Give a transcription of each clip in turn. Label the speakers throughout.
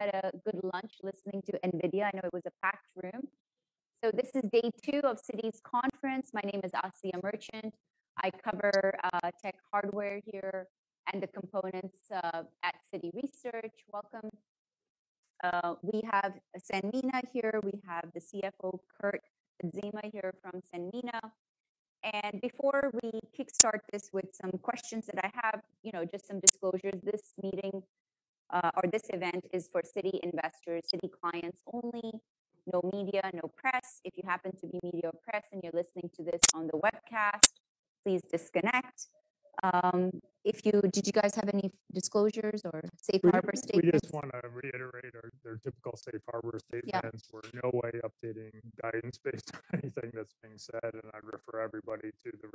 Speaker 1: Had a good lunch listening to NVIDIA. I know it was a packed room. So this is day two of Citi's conference. My name is Asiya Merchant. I cover tech hardware here and the components at Citi Research. Welcome. We have Sanmina here. We have the CFO, Kurt Adzema, here from Sanmina. And before we kickstart this with some questions that I have, you know, just some disclosures, this meeting or this event is for Citi investors, Citi clients only. No media, no press. If you happen to be media or press, and you're listening to this on the webcast, please disconnect. Did you guys have any disclosures or safe harbor statements?
Speaker 2: We just want to reiterate our, their typical safe harbor statements.
Speaker 1: Yeah.
Speaker 2: We're in no way updating guidance based on anything that's being said, and I'd refer everybody to the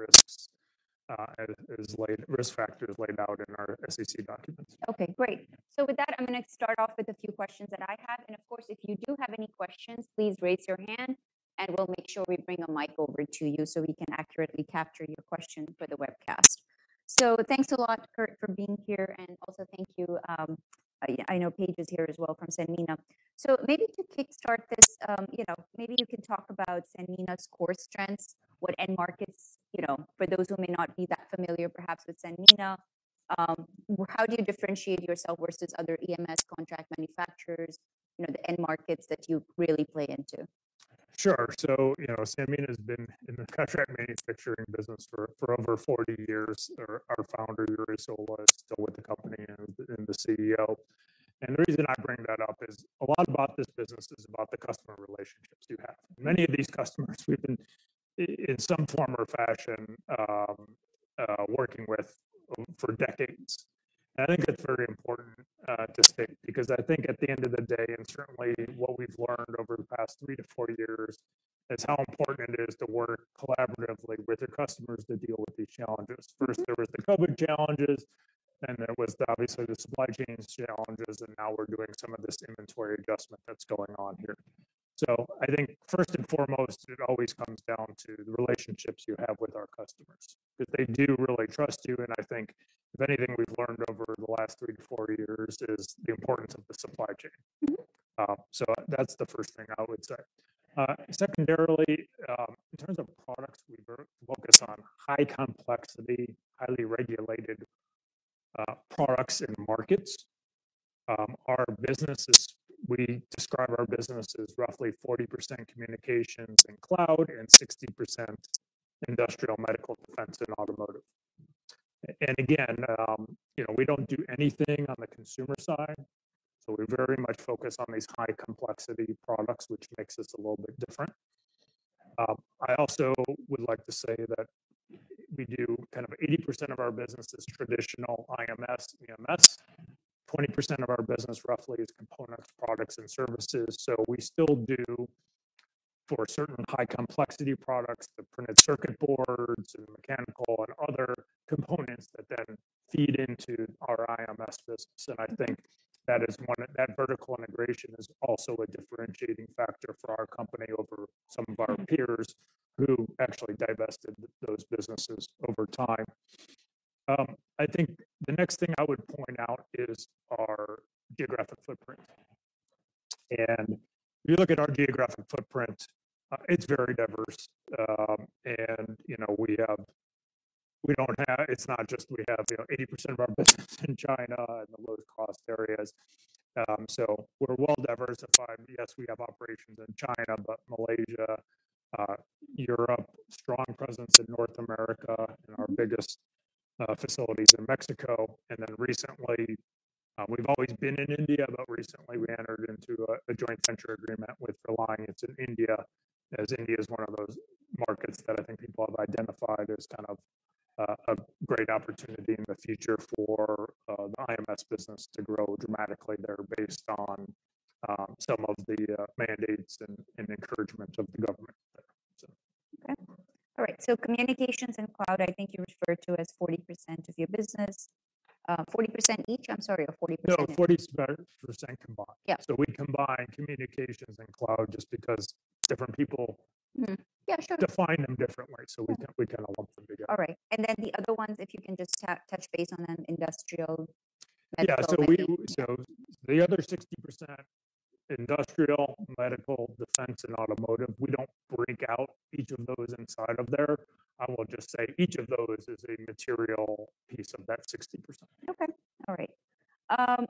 Speaker 2: risk factors as laid out in our SEC documents.
Speaker 1: Okay, great. So with that, I'm gonna start off with a few questions that I have. And of course, if you do have any questions, please raise your hand, and we'll make sure we bring a mic over to you so we can accurately capture your question for the webcast. So thanks a lot, Kurt, for being here, and also thank you, I know Paige is here as well from Sanmina. So maybe to kickstart this, you know, maybe you can talk about Sanmina's core strengths, what end markets, you know, for those who may not be that familiar, perhaps, with Sanmina. How do you differentiate yourself versus other EMS contract manufacturers, you know, the end markets that you really play into?
Speaker 2: Sure. So, you know, Sanmina has been in the contract manufacturing business for over 40 years. Our founder, Jure Sola, was still with the company and the CEO. The reason I bring that up is a lot about this business is about the customer relationships you have. Many of these customers, we've been in some form or fashion working with for decades. And I think that's very important to state, because I think at the end of the day, and certainly what we've learned over the past three to four years, is how important it is to work collaboratively with your customers to deal with these challenges. First, there was the COVID challenges, and there was obviously the supply chains challenges, and now we're doing some of this inventory adjustment that's going on here. I think first and foremost, it always comes down to the relationships you have with our customers, that they do really trust you, and I think if anything, we've learned over the last three-four years is the importance of the supply chain. So that's the first thing I would say. Secondarily, in terms of products, we focus on high complexity, highly regulated products and markets. Our businesses, we describe our business as roughly 40% communications and cloud, and 60% industrial, medical, defense, and automotive. And again, you know, we don't do anything on the consumer side, so we're very much focused on these high complexity products, which makes us a little bit different. I also would like to say that we do kind of 80% of our business is traditional IMS, EMS. 20% of our business, roughly, is components, products, and services. So we still do for certain high complexity products, the printed circuit boards and mechanical and other components that then feed into our IMS business. And I think that vertical integration is also a differentiating factor for our company over some of our peers, who actually divested those businesses over time. I think the next thing I would point out is our geographic footprint. If you look at our geographic footprint, it's very diverse. And, you know, we don't have it's not just we have, you know, 80% of our business in China and the lowest cost areas. So we're well diversified. Yes, we have operations in China, but Malaysia, Europe, strong presence in North America, and our biggest facilities in Mexico. And then recently, we've always been in India, but recently we entered into a joint venture agreement with Reliance in India, as India is one of those markets that I think people have identified as kind of a great opportunity in the future for the IMS business to grow dramatically there based on some of the mandates and encouragement of the government there, so.
Speaker 1: Okay. All right, so communications and cloud, I think you referred to as 40% of your business. 40% each, I'm sorry, or 40%?
Speaker 2: No, 40% combined.
Speaker 1: Yeah.
Speaker 2: So we combine communications and cloud just because different people.
Speaker 1: Yeah, sure.
Speaker 2: Define them differently, so we kind.
Speaker 1: Yeah
Speaker 2: We kind of lump them together.
Speaker 1: All right. Then the other ones, if you can just touch base on them, industrial, medical, and.
Speaker 2: Yeah, so the other 60%, industrial, medical, defense, and automotive, we don't break out each of those inside of there. I will just say each of those is a material piece of that 60%.
Speaker 1: Okay. All right.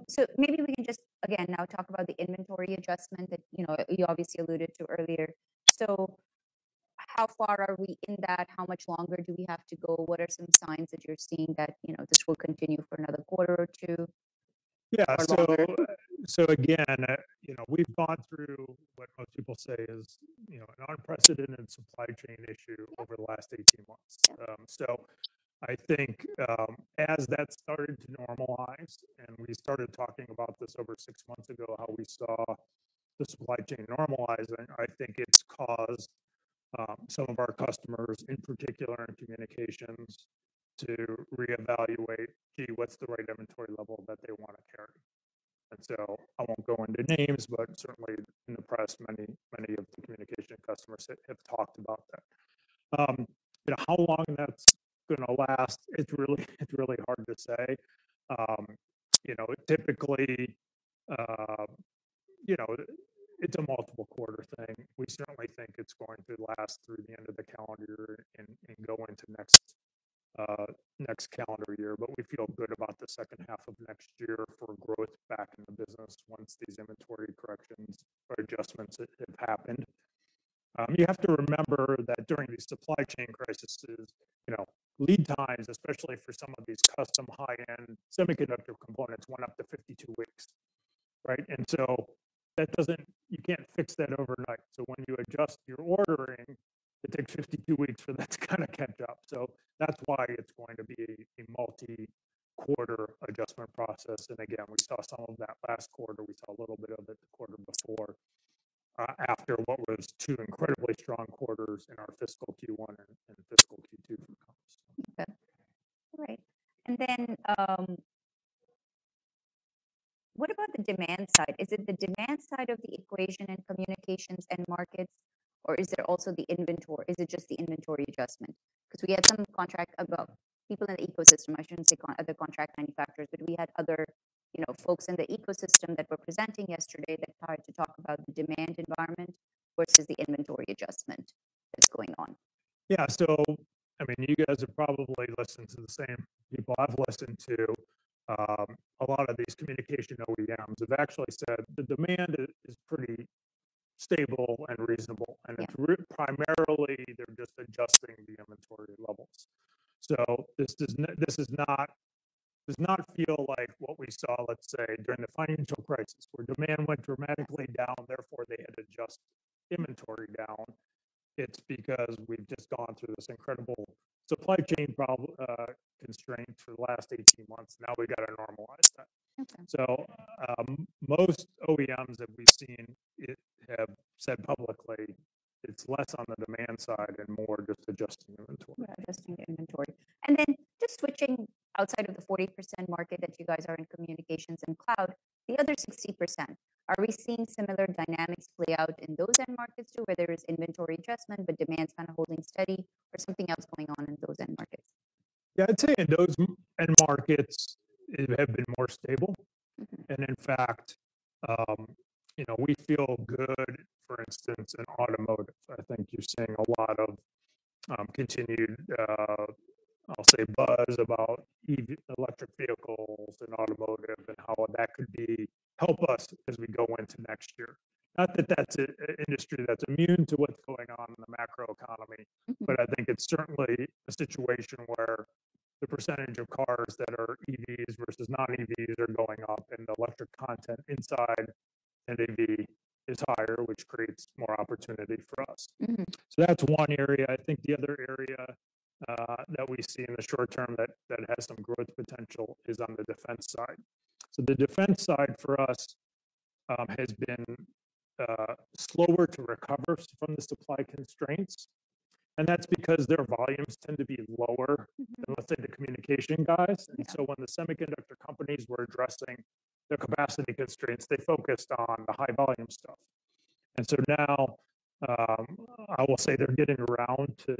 Speaker 1: So maybe we can just, again, now talk about the inventory adjustment that, you know, you obviously alluded to earlier. So how far are we in that? How much longer do we have to go? What are some signs that you're seeing that, you know, this will continue for another quarter or two?
Speaker 2: Yeah.
Speaker 1: Or longer.
Speaker 2: So again, you know, we've gone through what most people say is, you know, an unprecedented supply chain issue over the last 18 months. So I think, as that started to normalize, and we started talking about this over six months ago, how we saw the supply chain normalizing, I think it's caused some of our customers, in particular in communications, to reevaluate, hey, what's the right inventory level that they want to carry? And so I won't go into names, but certainly in the press, many, many of the communication customers have talked about that. You know, how long that's gonna last, it's really, it's really hard to say. You know, typically, you know, it's a multiple quarter thing. We certainly think it's going to last through the end of the calendar year and go into next calendar year. But we feel good about the second half of next year for growth back in the business once these inventory corrections or adjustments have happened. You have to remember that during these supply chain crises, you know, lead times, especially for some of these custom, high-end semiconductor components, went up to 52 weeks, right? And so that doesn't, you can't fix that overnight. So when you adjust your ordering, it takes 52 weeks for that to kind of catch up. So that's why it's going to be a multi-quarter adjustment process. And again, we saw some of that last quarter. We saw a little bit of it the quarter before, after what was two incredibly strong quarters in our fiscal Q1 and, and fiscal Q2 for comms.
Speaker 1: Okay. All right. And then, what about the demand side? Is it the demand side of the equation in communications end markets, or is it also the inventory? Is it just the inventory adjustment? Because we had some contract about people in the ecosystem. I shouldn't say other contract manufacturers, but we had other, you know, folks in the ecosystem that were presenting yesterday that started to talk about the demand environment versus the inventory adjustment that's going on.
Speaker 2: Yeah. So, I mean, you guys have probably listened to the same people I've listened to. A lot of these communication ODMs have actually said the demand is pretty stable and reasonable.
Speaker 1: Yeah.
Speaker 2: And it's primarily, they're just adjusting the inventory levels. So this does not feel like what we saw, let's say, during the financial crisis, where demand went dramatically down, therefore, they had to adjust inventory down. It's because we've just gone through this incredible supply chain problem, constraint for the last 18 months. Now we've got to normalize that.
Speaker 1: Okay.
Speaker 2: Most ODMs that we've seen, it have said publicly, it's less on the demand side and more just adjusting inventory.
Speaker 1: Adjusting inventory. And then just switching outside of the 40% market that you guys are in communications and cloud, the other 60%, are we seeing similar dynamics play out in those end markets, too, where there is inventory adjustment, but demand's kind of holding steady or something else going on in those end markets?
Speaker 2: Yeah, I'd say in those end markets, it have been more stable. In fact, you know, we feel good, for instance, in automotive. I think you're seeing a lot of continued, I'll say buzz about EV, electric vehicles and automotive and how that could be, help us as we go into next year. Not that that's a industry that's immune to what's going on in the macroeconomy. But I think it's certainly a situation where the percentage of cars that are EVs versus non-EVs are going up, and the electric content inside an EV is higher, which creates more opportunity for us. So that's one area. I think the other area that we see in the short term that has some growth potential is on the defense side. So the defense side for us has been slower to recover from the supply constraints, and that's because their volumes tend to be lower than, let's say, the communication guys.
Speaker 1: Yeah.
Speaker 2: And so when the semiconductor companies were addressing the capacity constraints, they focused on the high-volume stuff. And so now, I will say they're getting around to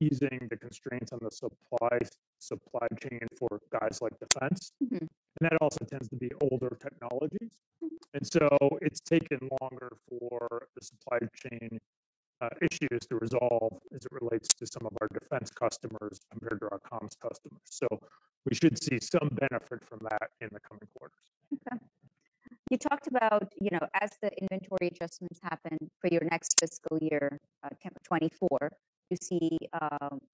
Speaker 2: easing the constraints on the supply chain for guys like defense. And that also tends to be older technologies. It's taken longer for the supply chain issues to resolve as it relates to some of our defense customers compared to our comms customers. We should see some benefit from that in the coming quarters.
Speaker 1: Okay. You talked about, you know, as the inventory adjustments happen for your next fiscal year, 2024, you see,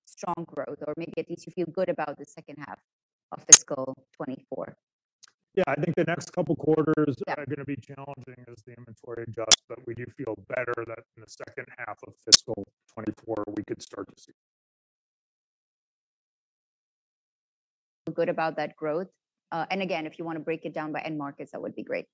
Speaker 1: strong growth, or maybe at least you feel good about the second half of fiscal 2024.
Speaker 2: Yeah, I think the next couple quarters.
Speaker 1: Yeah.
Speaker 2: Are gonna be challenging as the inventory adjusts, but we do feel better that in the second half of fiscal 2024, we could start to see.
Speaker 1: Good about that growth. And again, if you wanna break it down by end markets, that would be great.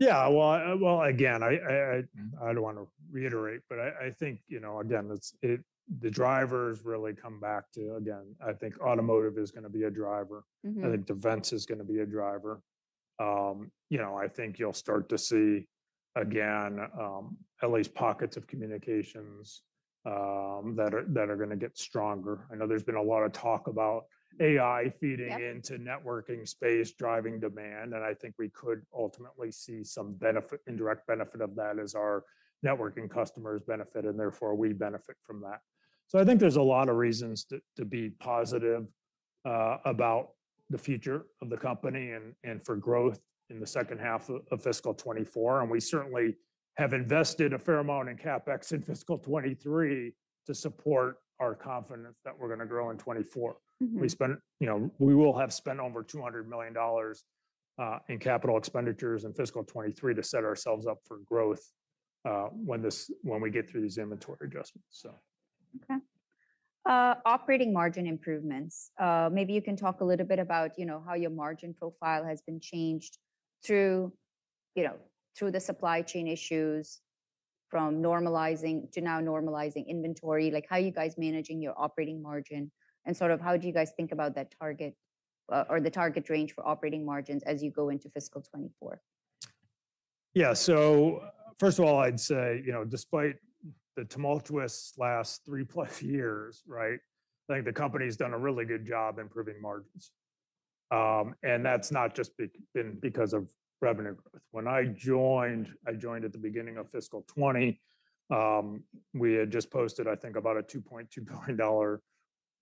Speaker 2: Yeah. Well, well, again, I, I don't wanna reiterate, but I think, you know, again, it's the drivers really come back to, again, I think automotive is gonna be a driver. I think defense is gonna be a driver. You know, I think you'll start to see, again, at least pockets of communications, that are, that are gonna get stronger. I know there's been a lot of talk about AI feeding into.
Speaker 1: Yep.
Speaker 2: Networking space, driving demand, and I think we could ultimately see some benefit, indirect benefit of that as our networking customers benefit, and therefore, we benefit from that. So I think there's a lot of reasons to be positive about the future of the company and for growth in the second half of fiscal 2024, and we certainly have invested a fair amount in CapEx in fiscal 2023 to support our confidence that we're gonna grow in 2024. We spent, you know, we will have spent over $200 million in capital expenditures in fiscal 2023 to set ourselves up for growth, when we get through these inventory adjustments, so.
Speaker 1: Okay, operating margin improvement, maybe you can talk a little bit about, you know, how your margin profile has been changed through, you know, through the supply chain issues, from normalizing to now normalizing inventory. Like, how are you guys managing your operating margin, and sort of how do you guys think about that target, or the target range for operating margin as you go into fiscal 2024?
Speaker 2: Yeah, so first of all, I'd say, you know, despite the tumultuous last three-plus years, right? I think the company's done a really good job improving margins. And that's not just been because of revenue growth. When I joined, I joined at the beginning of fiscal 2020, we had just posted, I think, about a $2.2 billion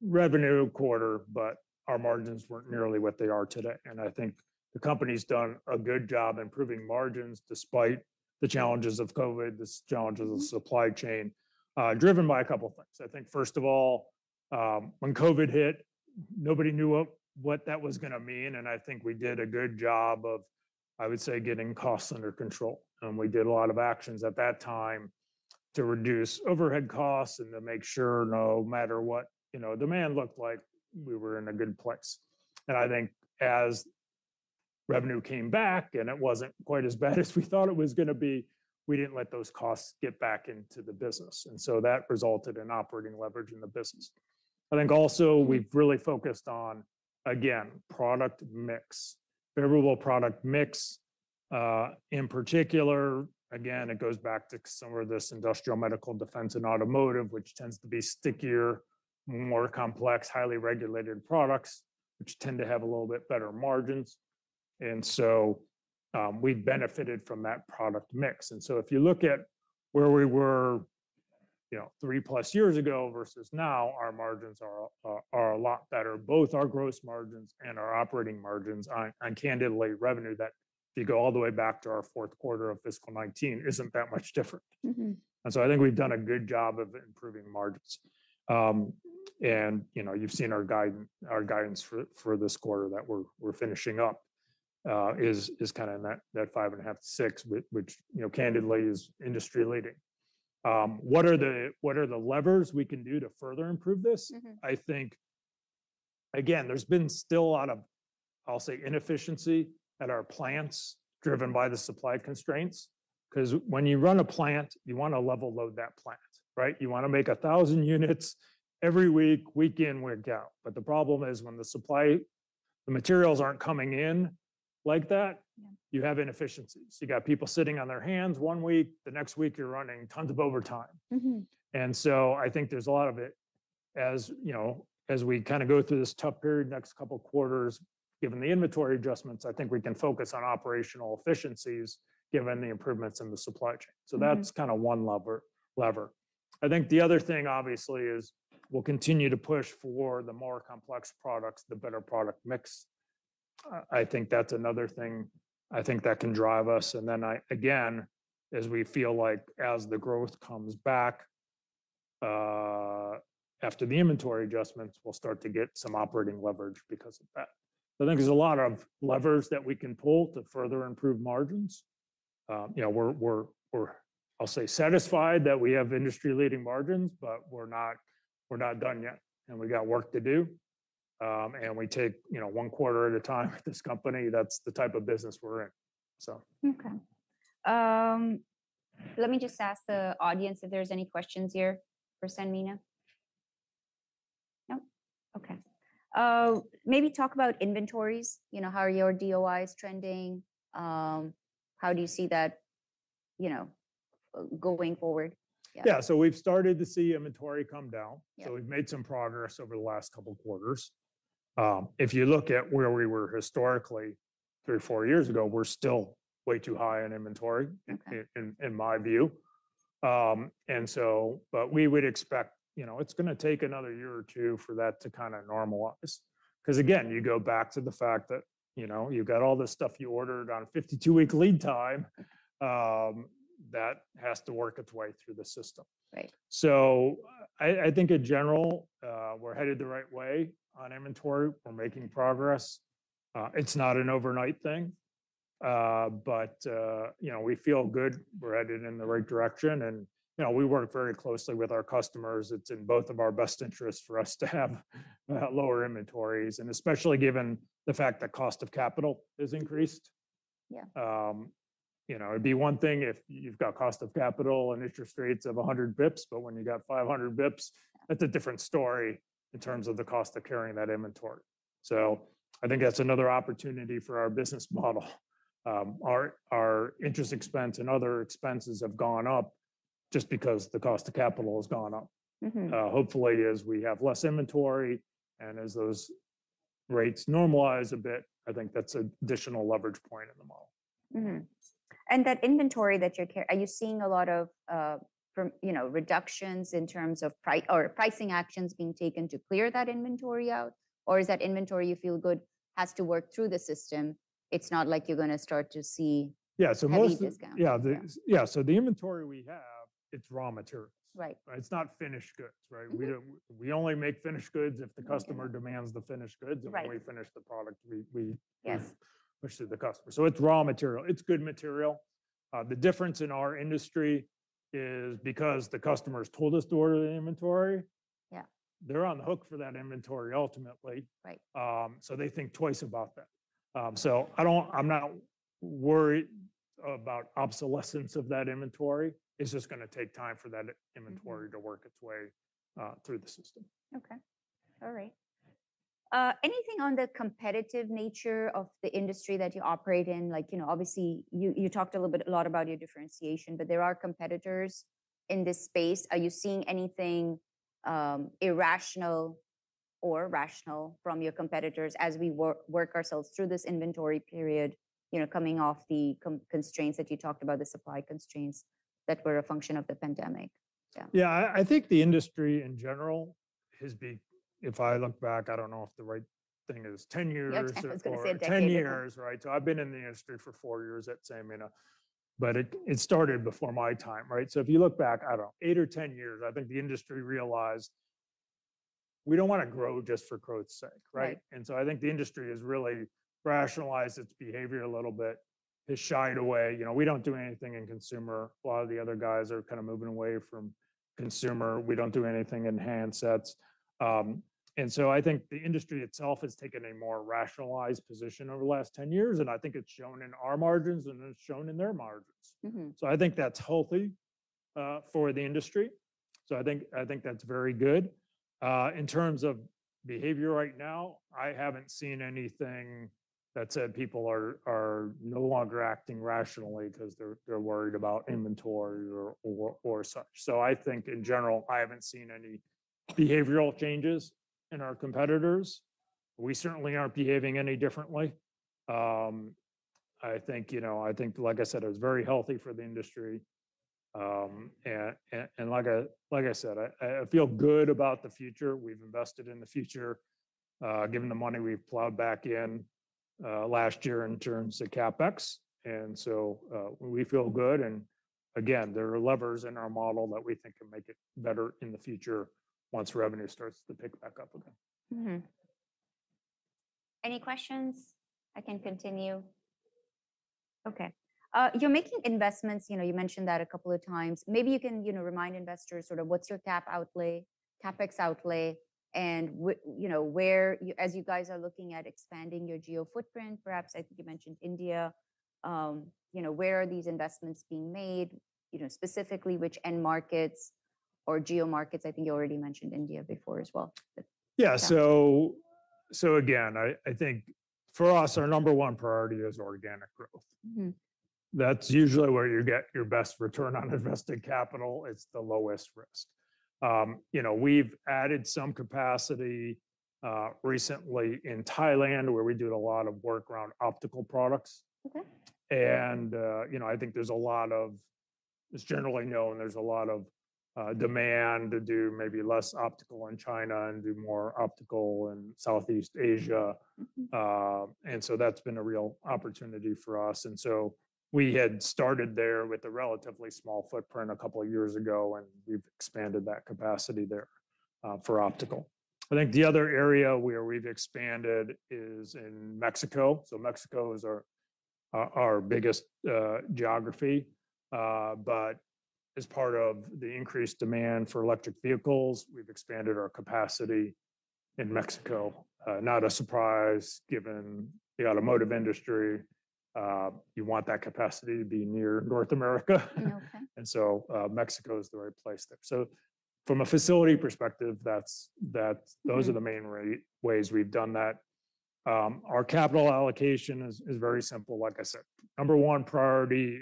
Speaker 2: revenue quarter, but our margins weren't nearly what they are today. And I think the company's done a good job improving margins despite the challenges of COVID, the challenges of the supply chain, driven by a couple of things. I think first of all, when COVID hit, nobody knew what that was gonna mean, and I think we did a good job of, I would say, getting costs under control. We did a lot of actions at that time to reduce overhead costs and to make sure no matter what, you know, demand looked like, we were in a good place. I think as revenue came back, and it wasn't quite as bad as we thought it was gonna be, we didn't let those costs get back into the business, and so that resulted in operating leverage in the business. I think also we've really focused on, again, product mix, favorable product mix. In particular, again, it goes back to some of this industrial, medical, defense, and automotive, which tends to be stickier, more complex, highly regulated products, which tend to have a little bit better margins. And so, we've benefited from that product mix. And so if you look at where we were, you know, three plus years ago versus now, our margins are a lot better, both our gross margins and our operating margins on, candidly, revenue that if you go all the way back to our fourth quarter of fiscal 2019, isn't that much different. And so I think we've done a good job of improving margins. And, you know, you've seen our guidance for this quarter that we're finishing up is kinda in that 5.5%-6%, which, you know, candidly is industry-leading. What are the levers we can do to further improve this? I think, again, there's been still a lot of, I'll say, inefficiency at our plants, driven by the supply constraints. 'Cause when you run a plant, you wanna level load that plant, right? You wanna make 1,000 units every week, week in, week out. But the problem is when the supply, the materials aren't coming in like that you have inefficiencies. You got people sitting on their hands one week, the next week you're running tons of overtime. And so I think there's a lot of it. As you know, as we kinda go through this tough period, next couple of quarters, given the inventory adjustments, I think we can focus on operational efficiencies, given the improvements in the supply chain. So that's kinda one lever, lever. I think the other thing, obviously, is we'll continue to push for the more complex products, the better product mix. I think that's another thing I think that can drive us. And then I, again, as we feel like as the growth comes back, after the inventory adjustments, we'll start to get some operating leverage because of that. I think there's a lot of levers that we can pull to further improve margins. You know, we're, I'll say, satisfied that we have industry-leading margins, but we're not done yet, and we got work to do. And we take, you know, one quarter at a time with this company. That's the type of business we're in, so.
Speaker 1: Okay. Let me just ask the audience if there's any questions here for Sanmina. Nope? Okay. Maybe talk about inventories. You know, how are your DOI trending? How do you see that, you know, going forward? Yeah.
Speaker 2: Yeah, so we've started to see inventory come down.
Speaker 1: Yeah.
Speaker 2: We've made some progress over the last couple of quarters. If you look at where we were historically, three or four years ago, we're still way too high on inventory.
Speaker 1: Okay.
Speaker 2: In my view. And so but we would expect, you know, it's gonna take another year or two for that to kinda normalize. 'Cause again, you go back to the fact that, you know, you've got all this stuff you ordered on a 52-week lead time, that has to work its way through the system.
Speaker 1: Right.
Speaker 2: So I think in general, we're headed the right way on inventory. We're making progress. It's not an overnight thing, but you know, we feel good. We're headed in the right direction, and you know, we work very closely with our customers. It's in both of our best interests for us to have lower inventories, and especially given the fact that cost of capital has increased.
Speaker 1: Yeah.
Speaker 2: You know, it'd be one thing if you've got cost of capital and interest rates of 100 bps, but when you got 500 bps, that's a different story in terms of the cost of carrying that inventory. So I think that's another opportunity for our business model. Our interest expense and other expenses have gone up just because the cost of capital has gone up. Hopefully, as we have less inventory and as those rates normalize a bit, I think that's an additional leverage point in the model.
Speaker 1: Mm-hmm. And that inventory that you're carrying—are you seeing a lot of, from, you know, reductions in terms of pricing or pricing actions being taken to clear that inventory out? Or is that inventory you feel good has to work through the system; it's not like you're gonna start to see.
Speaker 2: Yeah, so most.
Speaker 1: Heavy discounts?
Speaker 2: Yeah, the.
Speaker 1: Yeah.
Speaker 2: Yeah, so the inventory we have, it's raw materials.
Speaker 1: Right.
Speaker 2: It's not finished goods, right? We only make finished goods if the customer demands the finished goods.
Speaker 1: Right.
Speaker 2: And when we finish the product.
Speaker 1: Yes
Speaker 2: Pushed to the customer. So it's raw material. It's good material. The difference in our industry is because the customers told us to order the inventory.
Speaker 1: Yeah.
Speaker 2: They're on the hook for that inventory ultimately.
Speaker 1: Right.
Speaker 2: So they think twice about that. So I'm not worried about obsolescence of that inventory. It's just gonna take time for that inventory to work its way through the system.
Speaker 1: Okay. All right. Anything on the competitive nature of the industry that you operate in? Like, you know, obviously, you talked a little bit, a lot about your differentiation, but there are competitors in this space. Are you seeing anything irrational or rational from your competitors as we work ourselves through this inventory period, you know, coming off the constraints that you talked about, the supply constraints that were a function of the pandemic? Yeah.
Speaker 2: Yeah, I think the industry in general has been-- If I look back, I don't know if the right thing is 10 years or.
Speaker 1: Yeah, I was gonna say a decade.
Speaker 2: 10 years, right? So I've been in the industry for four years at Sanmina, but it, it started before my time, right? So if you look back, I don't know, eight or 10 years, I think the industry realized we don't wanna grow just for growth's sake, right? So I think the industry has really rationalized its behavior a little bit, has shied away. You know, we don't do anything in consumer. A lot of the other guys are kind of moving away from consumer. We don't do anything in handsets, and so I think the industry itself has taken a more rationalized position over the last 10 years, and I think it's shown in our margins, and it's shown in their margins. So I think that's healthy for the industry, so I think that's very good. In terms of behavior right now, I haven't seen anything that said people are no longer acting rationally because they're worried about inventory or such. So I think in general, I haven't seen any behavioral changes in our competitors. We certainly aren't behaving any differently. I think, you know, I think, like I said, it's very healthy for the industry. And like I said, I feel good about the future. We've invested in the future, given the money we've plowed back in last year in terms of CapEx. So, we feel good, and again, there are levers in our model that we think can make it better in the future once revenue starts to pick back up again.
Speaker 1: Any questions? I can continue. Okay. You're making investments, you know, you mentioned that a couple of times. Maybe you can, you know, remind investors sort of what's your CapEx outlay, and you know, where, as you guys are looking at expanding your geo footprint, perhaps, I think you mentioned India, you know, where are these investments being made? You know, specifically, which end markets or geo markets. I think you already mentioned India before as well, but.
Speaker 2: Yeah. So again, I think for us, our number one priority is organic growth. That's usually where you get your best return on invested capital. It's the lowest risk. You know, we've added some capacity recently in Thailand, where we do a lot of work around optical products.
Speaker 1: Okay.
Speaker 2: You know, I think there's a lot of. It's generally known there's a lot of demand to do maybe less optical in China and do more optical in Southeast Asia. And so that's been a real opportunity for us. We had started there with a relatively small footprint a couple of years ago, and we've expanded that capacity there for optical. I think the other area where we've expanded is in Mexico. Mexico is our biggest geography. But as part of the increased demand for electric vehicles, we've expanded our capacity in Mexico. Not a surprise, given the automotive industry. You want that capacity to be near North America.
Speaker 1: Yeah. Okay.
Speaker 2: Mexico is the right place there. From a facility perspective, that's, those are the main ways we've done that. Our capital allocation is very simple, like I said. Number one priority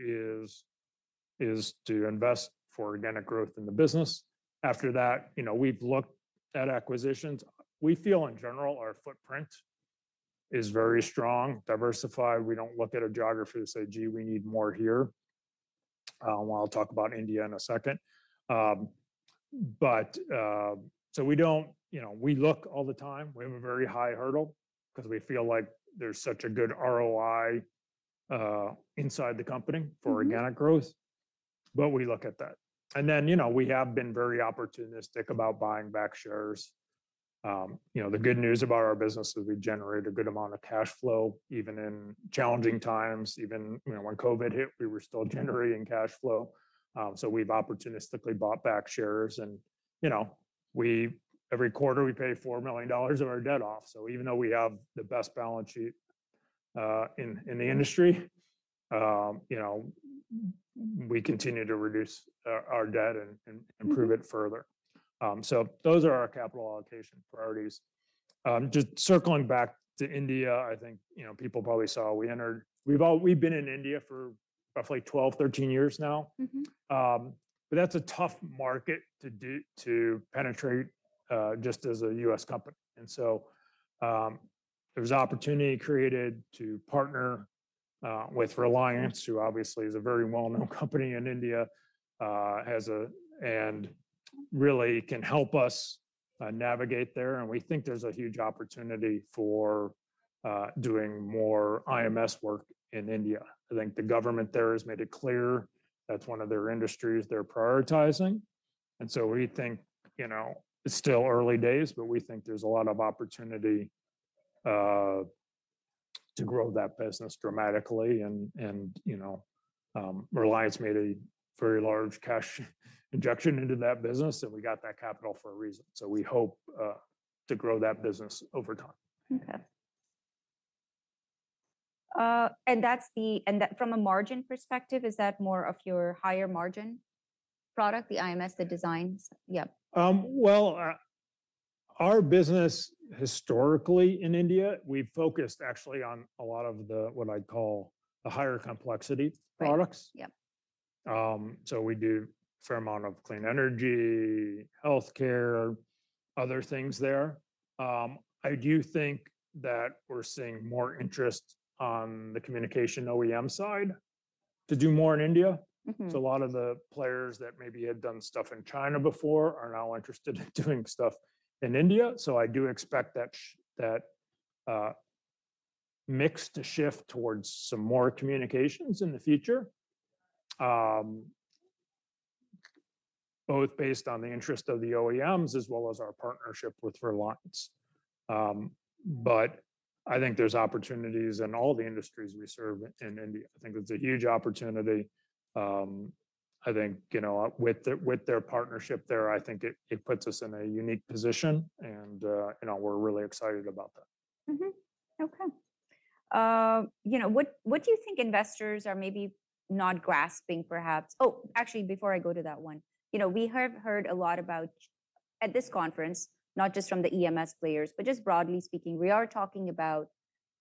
Speaker 2: is to invest for organic growth in the business. After that, you know, we've looked at acquisitions. We feel, in general, our footprint is very strong, diversified. We don't look at a geography and say, "Gee, we need more here." I'll talk about India in a second. But, so we don't, you know, we look all the time. We have a very high hurdle because we feel like there's such a good ROI inside the company. For organic growth. But we look at that. And then, you know, we have been very opportunistic about buying back shares. You know, the good news about our business is we generate a good amount of cash flow, even in challenging times. Even, you know, when COVID hit, we were still generating cash flow. So we've opportunistically bought back shares and, you know, we every quarter, we pay $4 million of our debt off. So even though we have the best balance sheet in the industry, you know, we continue to reduce our debt and, and improve it further. So those are our capital allocation priorities. Just circling back to India, I think, you know, people probably saw we've been in India for roughly 12, 13 years now. That's a tough market to penetrate just as a U.S. company. There was an opportunity created to partner with Reliance, who obviously is a very well-known company in India and really can help us navigate there, and we think there's a huge opportunity for doing more IMS work in India. I think the government there has made it clear that's one of their industries they're prioritizing. We think it's still early days, but we think there's a lot of opportunity to grow that business dramatically. Reliance made a very large cash injection into that business, and we got that capital for a reason. We hope to grow that business over time.
Speaker 1: Okay, and that from a margin perspective, is that more of your higher margin product, the IMS, the designs? Yep.
Speaker 2: Well, our business historically in India, we've focused actually on a lot of the, what I'd call the higher complexity products.
Speaker 1: Right. Yep.
Speaker 2: We do a fair amount of clean energy, healthcare, other things there. I do think that we're seeing more interest on the communications OEM side to do more in India. So a lot of the players that maybe had done stuff in China before are now interested in doing stuff in India. So I do expect that that mix to shift towards some more communications in the future. Both based on the interest of the OEMs as well as our partnership with Reliance. But I think there's opportunities in all the industries we serve in India. I think it's a huge opportunity. I think, you know, with the, with their partnership there, I think it puts us in a unique position and, you know, we're really excited about that.
Speaker 1: Okay. You know, what, what do you think investors are maybe not grasping, perhaps? Oh, actually, before I go to that one, you know, we have heard a lot about, at this conference, not just from the EMS players, but just broadly speaking, we are talking about,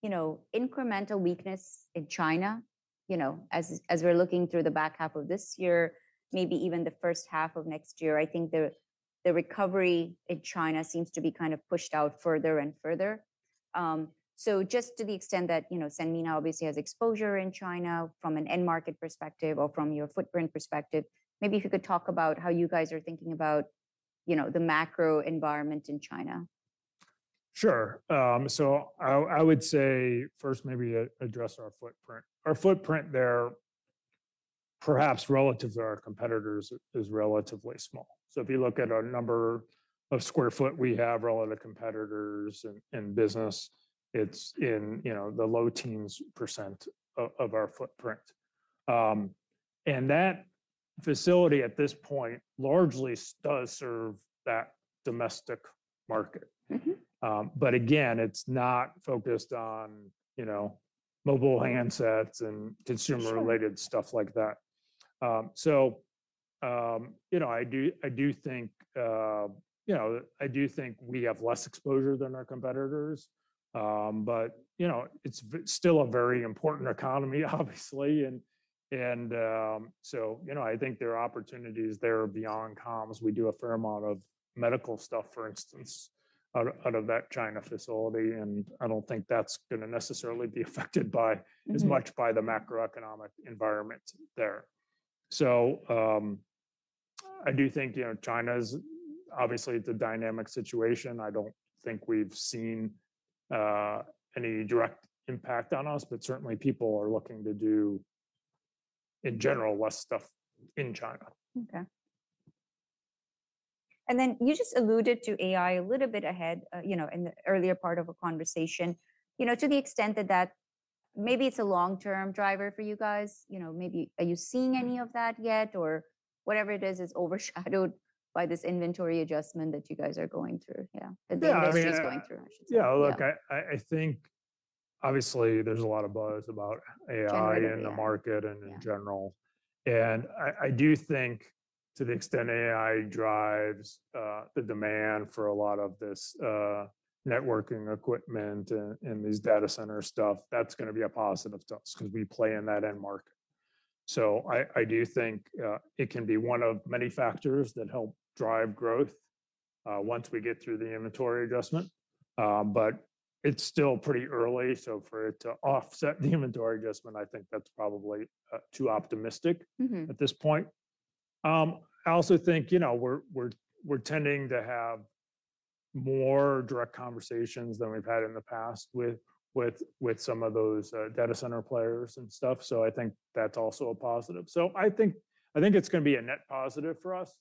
Speaker 1: you know, incremental weakness in China. You know, as we're looking through the back half of this year, maybe even the first half of next year, I think the recovery in China seems to be kind of pushed out further and further. So just to the extent that, you know, Sanmina obviously has exposure in China from an end market perspective or from your footprint perspective, maybe if you could talk about how you guys are thinking about, you know, the macro environment in China.
Speaker 2: Sure. So I would say, first maybe, address our footprint. Our footprint there, perhaps relative to our competitors, is relatively small. So if you look at our number of sq ft, we have relative competitors in business, it's in, you know, the low teens percentage of our footprint. And that facility at this point largely does serve that domestic market. But again, it's not focused on, you know, mobile handsets and consumer.
Speaker 1: Sure.
Speaker 2: Related stuff like that. So, you know, I do, I do think, you know, I do think we have less exposure than our competitors. But, you know, it's still a very important economy, obviously, and so, you know, I think there are opportunities there beyond comms. We do a fair amount of medical stuff, for instance, out of that China facility, and I don't think that's gonna necessarily be affected by as much by the macroeconomic environment there. So, I do think, you know, China's obviously it's a dynamic situation. I don't think we've seen any direct impact on us, but certainly people are looking to do, in general, less stuff in China.
Speaker 1: Okay. And then you just alluded to AI a little bit ahead, you know, in the earlier part of a conversation. You know, to the extent that that maybe it's a long-term driver for you guys, you know, maybe are you seeing any of that yet? Or whatever it is, it's overshadowed by this inventory adjustment that you guys are going through, yeah.
Speaker 2: Yeah, I mean.
Speaker 1: That the industry is going through, I should say.
Speaker 2: Yeah, look, I think obviously there's a lot of buzz about AI.
Speaker 1: Generative AI.
Speaker 2: In the market and in general. I, I do think to the extent AI drives the demand for a lot of this networking equipment and, and this data center stuff, that's gonna be a positive to us because we play in that end market. So I, I do think it can be one of many factors that help drive growth once we get through the inventory adjustment. But it's still pretty early, so for it to offset the inventory adjustment, I think that's probably too optimistic at this point. I also think, you know, we're tending to have more direct conversations than we've had in the past with some of those data center players and stuff, so I think that's also a positive. So I think it's gonna be a net positive for us.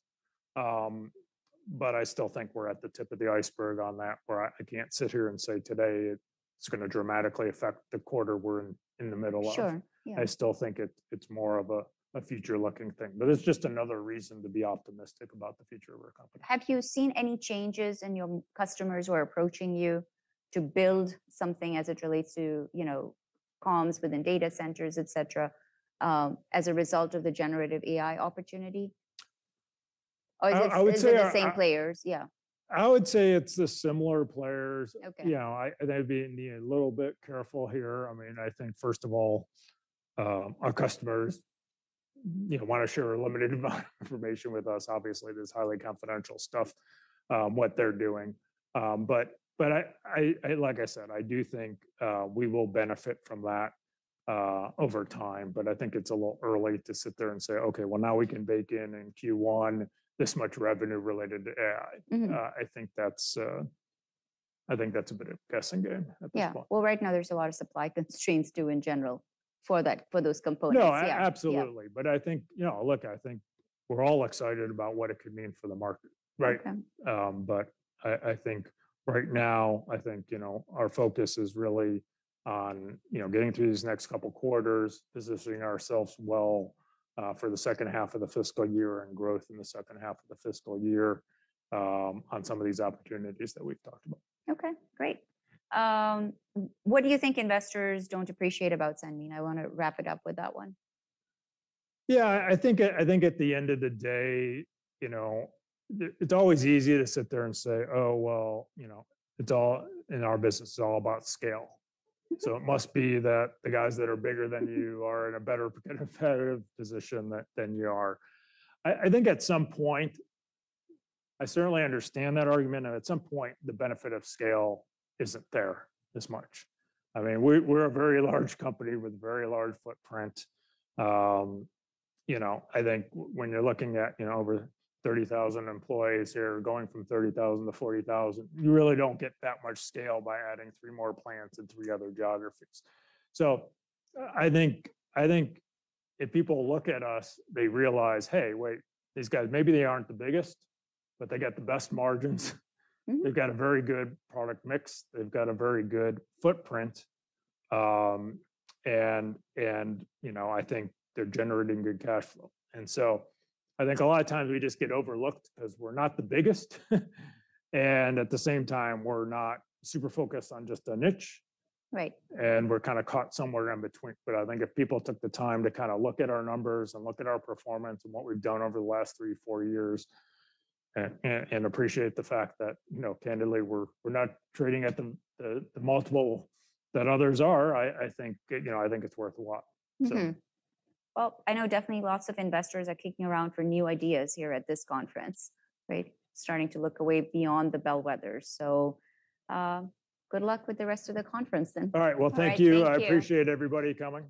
Speaker 2: But I still think we're at the tip of the iceberg on that, where I can't sit here and say today it's gonna dramatically affect the quarter we're in the middle of.
Speaker 1: Sure. Yeah.
Speaker 2: I still think it's more of a future-looking thing. But it's just another reason to be optimistic about the future of our company.
Speaker 1: Have you seen any changes in your customers who are approaching you to build something as it relates to, you know, comms within data centers, et cetera, as a result of the Generative AI opportunity? Or is it.
Speaker 2: I would say.
Speaker 1: The same players? Yeah.
Speaker 2: I would say it's the similar players.
Speaker 1: Okay.
Speaker 2: You know, I, I'd be a little bit careful here. I mean, I think first of all, our customers, you know, wanna share a limited amount of information with us. Obviously, there's highly confidential stuff, what they're doing. But, like I said, I do think we will benefit from that over time, but I think it's a little early to sit there and say, "Okay, well, now we can bake in Q1 this much revenue related to AI. I think that's, I think that's a bit of a guessing game at this point.
Speaker 1: Yeah. Well, right now there's a lot of supply constraints too in general for that, for those components.
Speaker 2: No, a.
Speaker 1: Yeah.
Speaker 2: Absolutely.
Speaker 1: Yeah.
Speaker 2: I think, you know, look, I think we're all excited about what it could mean for the market, right?
Speaker 1: Okay.
Speaker 2: But I think right now, I think, you know, our focus is really on, you know, getting through these next couple quarters, positioning ourselves well, for the second half of the fiscal year and growth in the second half of the fiscal year, on some of these opportunities that we've talked about.
Speaker 1: Okay, great. What do you think investors don't appreciate about Sanmina? I wanna wrap it up with that one.
Speaker 2: Yeah, I think, I think at the end of the day, you know, it, it's always easy to sit there and say, "Oh, well, you know, it's all, in our business, it's all about scale." So it must be that the guys that are bigger than you are in a better competitive position than, than you are. I, I think at some point, I certainly understand that argument, and at some point, the benefit of scale isn't there as much. I mean, we're a very large company with a very large footprint. You know, I think when you're looking at, you know, over 30,000 employees here, going from 30,000 to 40,000, you really don't get that much scale by adding three more plants in three other geographies. I think if people look at us, they realize, "Hey, wait, these guys, maybe they aren't the biggest, but they got the best margins. They've got a very good product mix, they've got a very good footprint, and you know, I think they're generating good cash flow." And so I think a lot of times we just get overlooked 'cause we're not the biggest. And at the same time, we're not super focused on just a niche.
Speaker 1: Right.
Speaker 2: We're kinda caught somewhere in between. But I think if people took the time to kinda look at our numbers and look at our performance and what we've done over the last three, four years and appreciate the fact that, you know, candidly, we're not trading at the multiple that others are, I think, you know, I think it's worth a lot. So.
Speaker 1: Well, I know definitely lots of investors are kicking around for new ideas here at this conference, right? Starting to look away beyond the bellwethers. So, good luck with the rest of the conference then.
Speaker 2: All right. Well, thank you.
Speaker 1: All right. Thank you.
Speaker 2: I appreciate everybody coming.